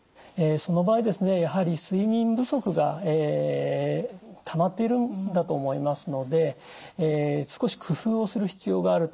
その場合ですねやはり睡眠不足がたまっているんだと思いますので少し工夫をする必要があると思います。